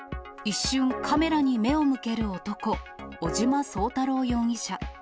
一瞬、カメラに目を向ける男、尾島壮太郎容疑者。